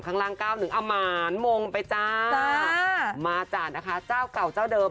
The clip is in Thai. ข้างล่างเก้าหนึ่งอมานมงไปจ้ามาจ้ะนะคะเจ้าเก่าเจ้าเดิม